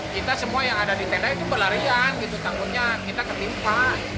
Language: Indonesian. kita semua yang ada di tenda itu berlarian gitu tanggungnya kita ketimpa